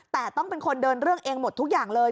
แต่ต้องเป็นคนเดินเรื่องเองหมดทุกอย่างเลย